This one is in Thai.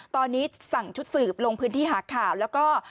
ตอนนี้สั่งชุดสืบลงพื้นที่หาข่าวแล้วก็